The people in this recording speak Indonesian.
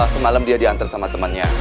semalam dia diantar sama temannya